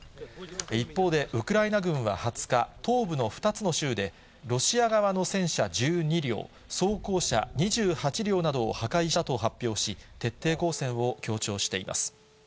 一方でウクライナ軍は２０日、東部の２つの州で、ロシア側の戦車１２両、装甲車２８両などを破壊したと発表し、徹底抗戦を強調しています。